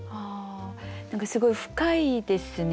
何かすごい深いですね。